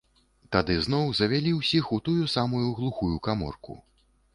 Тады зноў завялі ўсіх у тую самую глухую каморку.